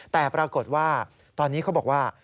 แต่ปรากฏว่าตอนนี้เขาบอกว่า